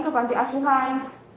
ke panti asuhan